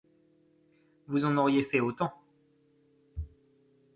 Vous en auriez fait autant.